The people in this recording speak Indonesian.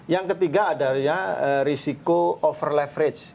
yang ketiga adalah risiko over leverage